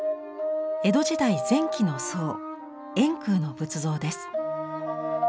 江戸時代前期の僧円空の仏像です。